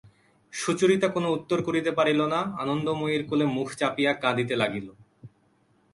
সুচরিতা কোনো উত্তর করিতে পারিল না, আনন্দময়ীর কোলে মুখ চাপিয়া কাঁদিতে লাগিল।